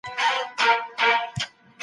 زړه مې له ټولې دنیا موړ دی